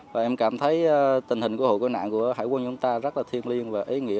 và em cảm thấy tình hình của hội cơ nạn của hải quân chúng ta rất là thú vị